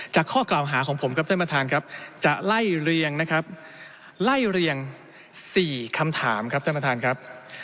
ข้อกล่าวหาของผมครับท่านประธานครับจะไล่เรียงนะครับไล่เรียง๔คำถามครับท่านประธานครับ